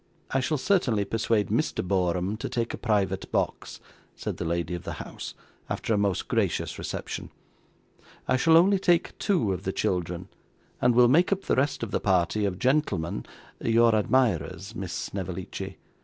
'I shall certainly persuade Mr. Borum to take a private box,' said the lady of the house, after a most gracious reception. 'I shall only take two of the children, and will make up the rest of the party, of gentlemen your admirers, Miss Snevellicci.